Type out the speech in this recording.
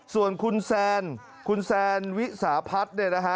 ส่วนคุณแซนวิสาพัฒน์